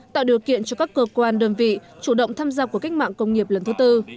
tạo điều kiện cho các cơ quan đơn vị chủ động tham gia của cách mạng công nghiệp lần thứ tư